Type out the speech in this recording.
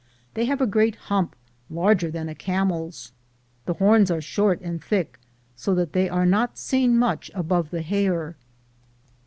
They have a great hump, larger than a camel's. The horns are short and thick, so that they are not seen much above the hair.